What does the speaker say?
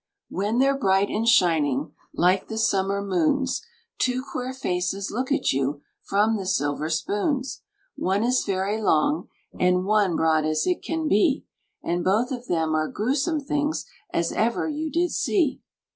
When they're bright and shining Like the summer moons, Two queer faces look at you From the silver spoons. One is very long, and one Broad as it can be, And both of them are grewsome things, As ever you did see.